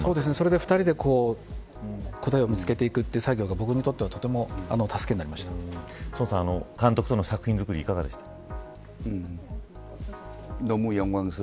それで２人で答えを見つけていく作業が僕にとってはとてもソンさん、監督との作品づくりいかがでしたか。